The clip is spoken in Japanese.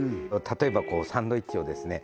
例えばサンドイッチをですね